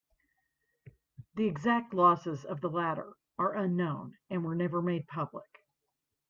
The exact losses of the latter are unknown and were never made public.